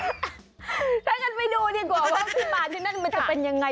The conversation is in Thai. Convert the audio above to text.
ถ้าอย่างนั้นไปดูดีกว่าว่าที่บานที่นั่นจะเป็นอย่างไร